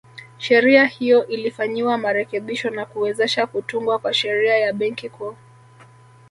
Sheria hiyo ilifanyiwa marekebisho na kuwezesha kutungwa kwa Sheria ya Benki Kuu